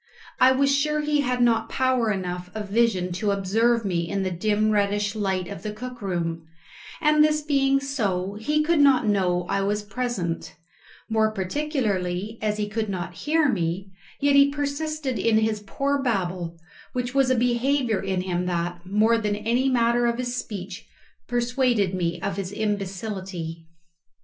I was sure he had not power enough of vision to observe me in the dim reddish light of the cook room, and this being so, he could not know I was present, more particularly as he could not hear me, yet he persisted in his poor babble, which was a behaviour in him that, more than even the matter of his speech, persuaded me of his imbecility.